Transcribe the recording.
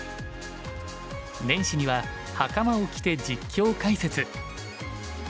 年始にははかまを着て実況解説。